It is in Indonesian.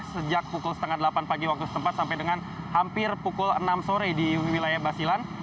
sejak pukul setengah delapan pagi waktu setempat sampai dengan hampir pukul enam sore di wilayah basilan